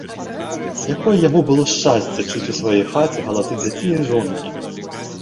Якое яму было шчасце чуць у сваёй хаце галасы дзяцей і жонкі!